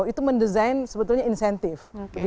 itu mendesain sebetulnya insentif